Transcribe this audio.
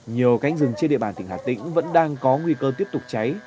nhiều cánh rừng trên địa bàn tỉnh hà tĩnh vẫn đang có nguy cơ tiếp tục cháy